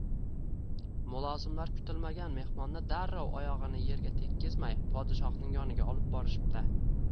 Mulozimlar kutilmagan mehmonni darrov oyog`ini erga tekkizmay, podshohning yoniga olib borishibdi